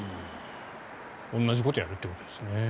同じことをやるってことですね。